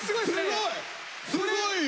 すごいよ！